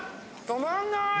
止まんない。